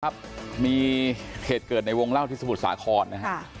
ครับมีเหตุเกิดในวงเล่าที่สมุทรสาครนะฮะ